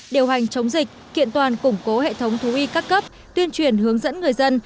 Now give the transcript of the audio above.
điều hành chống dịch kiện toàn củng cố hệ thống thú y các cấp tuyên truyền hướng dẫn người dân